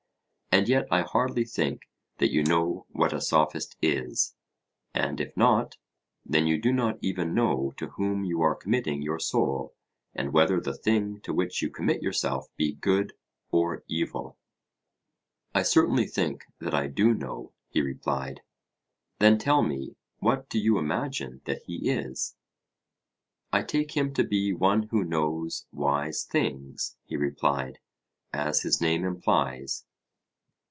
And yet I hardly think that you know what a Sophist is; and if not, then you do not even know to whom you are committing your soul and whether the thing to which you commit yourself be good or evil. I certainly think that I do know, he replied. Then tell me, what do you imagine that he is? I take him to be one who knows wise things, he replied, as his name implies.